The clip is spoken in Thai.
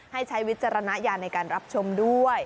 ใช้วิจารณญาณในการรับชมด้วย